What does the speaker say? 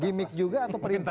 gimik juga atau perintah